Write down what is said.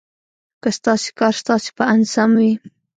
که ستاسې کار ستاسې په اند سم وي.